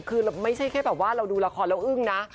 คือไม่ใช่แค่แบบว่าเราดูละครแล้วอึ้งนะ